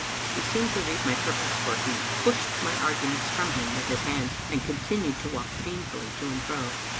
He seemed to read my purpose, for he pushed my arguments from him with his hands, and continued to walk painfully to and fro.